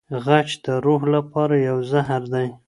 غچ د روح لپاره یو زهر دی.